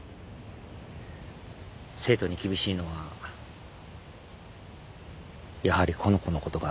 生徒に厳しいのはやはりこの子のことが。